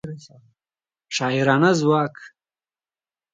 شاعرانه ځواک